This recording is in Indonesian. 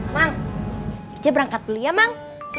mang aja berangkat beli ya mang